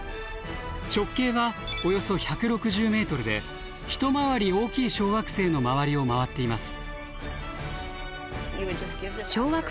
直径はおよそ１６０メートルで一回り大きい小惑星の周りを回っています。